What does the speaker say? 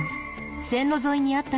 線路沿いにあったそうで。